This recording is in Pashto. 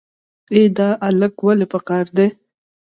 ای دا الک ولې په قار دی.